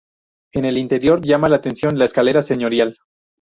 En el interior llama la atención la escalera señorial.